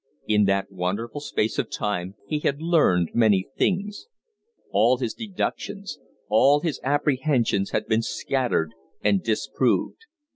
In that wonderful space of time he had learned many things. All his deductions, all his apprehensions had been scattered and disproved.